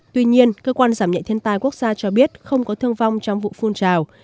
tuy nhiên cơ quan giảm nhẹ thiên tai quốc gia cho biết không có thương vong trong vụ phun trào